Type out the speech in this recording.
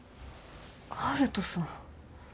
悠人さん。